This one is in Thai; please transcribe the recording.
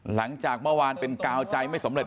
หลังจากเมื่อวานเป็นกาวใจไม่สำเร็จ